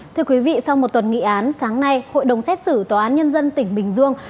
thưa quý vị sau một tuần nghị án sáng nay hội đồng xét xử tòa án nhân dân tỉnh bình dương